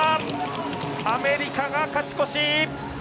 アメリカが勝ち越し！